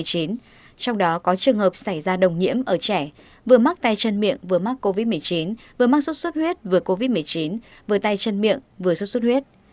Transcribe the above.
trong đó có trường hợp xảy ra đồng nhiễm ở trẻ vừa mắc tay chân miệng vừa mắc covid một mươi chín vừa mắc sốt xuất huyết vừa covid một mươi chín vừa tay chân miệng vừa xuất xuất huyết